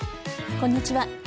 こんにちは。